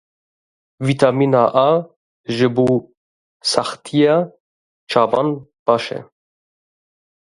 Vîtamîna A ji bo saxtiya çavan baş e.